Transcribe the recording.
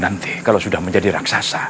nanti kalau sudah menjadi raksasa